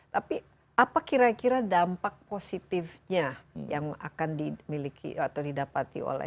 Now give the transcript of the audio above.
tapi apa kira kira dampak positifnya yang akan dimiliki atau didapati oleh